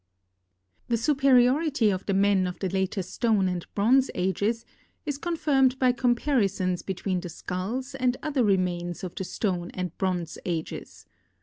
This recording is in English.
The superiority of the men of the later Stone and Bronze Ages is confirmed by comparisons between the skulls and other re mains of the Stone and Bronze Ages.